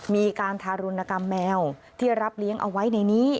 มีการทารุณกรรมแมวที่รับเลี้ยงเอาไว้ในนี้